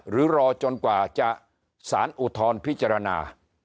หรือรอจนกว่าจะสารอุทธรณ์พิจารณา